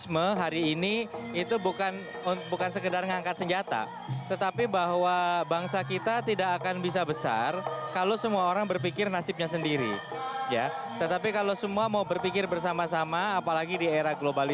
meskipun tidak dalam bentuk harta material